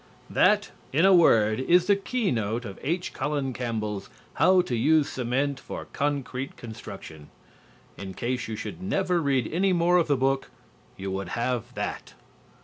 That, in a word, is the keynote of H. Colin Campbell's "How to Use Cement for Concrete Construction." In case you should never read any more of the book, you would have that.